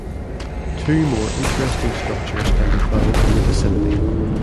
Two more interesting structures can be found in the vicinity.